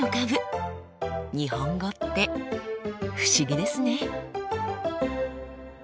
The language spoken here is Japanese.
日本語って不思議ですね。